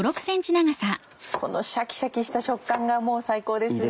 このシャキシャキした食感がもう最高ですよね。